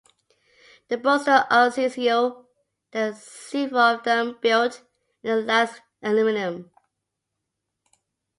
In Busto Arsizio there are several of them, built in the last millennium.